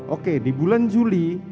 oke di bulan juli